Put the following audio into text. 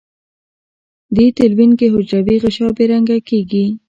دې تلوین کې حجروي غشا بې رنګه کیږي.